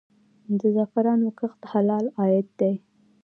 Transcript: د زعفرانو کښت حلال عاید دی؟